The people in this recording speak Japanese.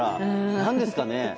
何ですかね。